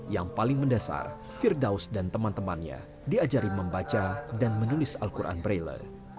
yang paling mendasar firdaus dan teman temannya diajari membaca dan menulis al quran braille